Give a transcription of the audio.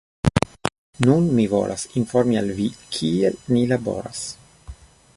Nun mi volas informi al vi, kiel ni laboras